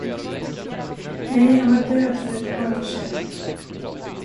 Nej, han var död för ett par år sedan.